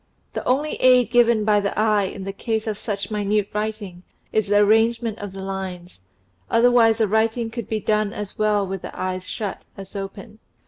The only aid given by the eye in the case of such minute writing is the arrangement of the lines, otherwise the writing could be done as well with the eyes shut as open.